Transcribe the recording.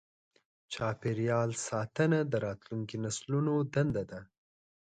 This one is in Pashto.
چاپېریال ساتنه د راتلونکو نسلونو دنده ده.